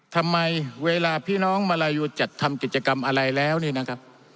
ทำไมเวลาพี่น้องมาลายูจัดทำกิจกรรมอะไรแล้วนี่นะครับ